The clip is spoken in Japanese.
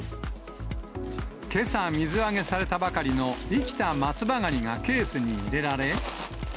けさ水揚げされたばかりの生きた松葉がにがケースに入れられ。